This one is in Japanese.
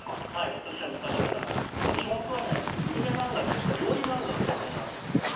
私は昔からグルメ漫画というか料理漫画が専門なんですよ。